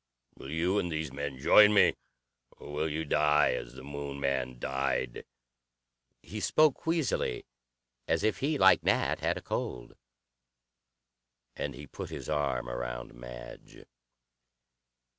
Will you and these men join me, or will you die as the Moon man died?" He spoke wheezily, as if he, like Nat, had a cold. And he put his arm around Madge.